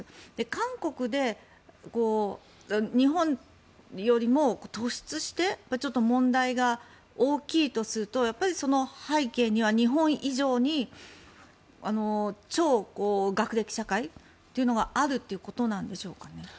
韓国で日本よりも突出して問題が大きいとするとその背景には日本以上に超学歴社会というのがあるということでしょうかね？